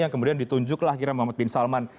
yang kemudian ditunjuk lah kira kira muhammad bin salman